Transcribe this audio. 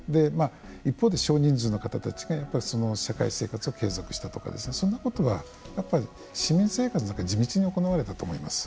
一方で少人数の方たちが社会生活を継続したとかそんなことは市民生活の中で地道に行われたと思います。